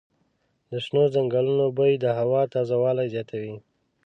د شنو ځنګلونو بوی د هوا تازه والی زیاتوي.